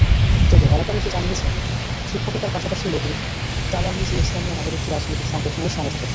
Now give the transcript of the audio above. তবে এলাকাবাসী জানিয়েছেন, শিক্ষকতার পাশাপাশি লতিফ তালামীযে ইসলামিয়া নামের একটি রাজনৈতিক সংগঠনের সমর্থক।